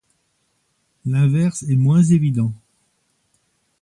L'inverse est moins évident.